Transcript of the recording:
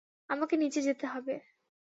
আমাকে নিচে যেতে হবে।